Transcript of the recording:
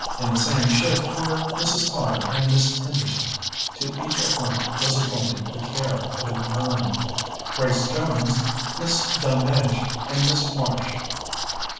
In the same shift were Mrs. Potter and Miss Henderson, to each of whom was appointed the care of an urn, Grace Jones, Miss Delmege, and Miss Marsh.